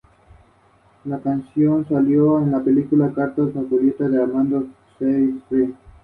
Entró a la Universidad de Michigan en el otoño del mismo año.